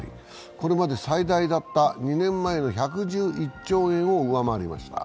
これまで最大だった２年前の１１１兆円を上回りました。